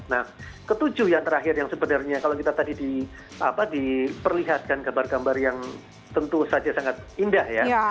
nah ketujuh yang terakhir yang sebenarnya kalau kita tadi diperlihatkan gambar gambar yang tentu saja sangat indah ya